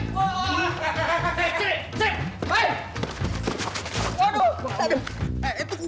sakurnya enggak bisa boyang jujur